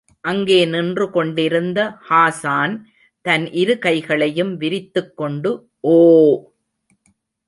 அங்கே நின்று கொண்டிருந்த ஹாஸான், தன் இரு கைகளையும் விரித்துக்கொண்டு, ஓ!